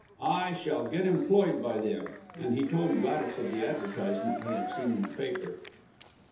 I shall get employed by them" and he told Gladys of the advertisement he had seen in the paper.